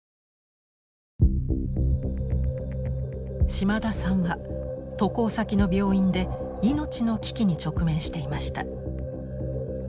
島田さんは渡航先の病院で命の危機に直面していました。